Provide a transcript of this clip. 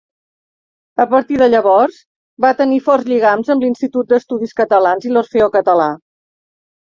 A partir de llavors, va tenir forts lligams amb l'Institut d'Estudis Catalans i l'Orfeó Català.